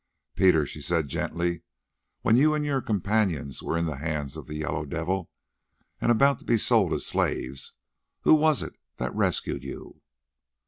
"Peter," she said gently, "when you and your companions were in the hands of the Yellow Devil and about to be sold as slaves, who was it that rescued you?"